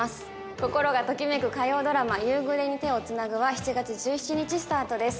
心がときめく火曜ドラマ「夕暮れに、手をつなぐ」は１月１７日スタートです